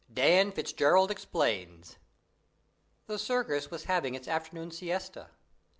DAN FITZGERALD EXPLAINS The circus was having its afternoon siesta.